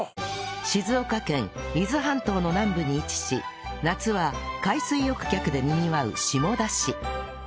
静岡県伊豆半島の南部に位置し夏は海水浴客でにぎわう下田市